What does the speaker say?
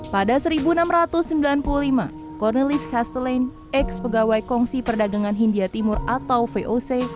pada seribu enam ratus sembilan puluh lima cournelis castellane ex pegawai kongsi perdagangan hindia timur atau voc